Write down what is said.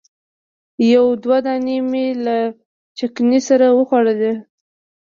یو دوه دانې مې له چکني سره وخوړلې.